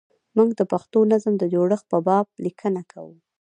موږ د پښتو نظم د جوړښت په باب لیکنه کوو.